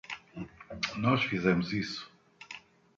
Nós fizemos isso.